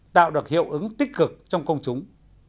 tạo được hiệu ứng tích cực trong công chúng